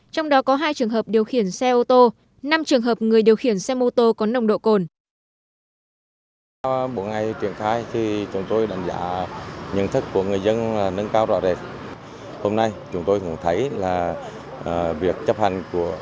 trong đó có hai trường hợp điều khiển xe ô tô năm trường hợp người điều khiển xe mô tô có nồng độ cồn